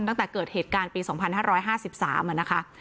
ตั้งแต่เกิดเหตุการณ์ปี๒๕๕๓นะคะ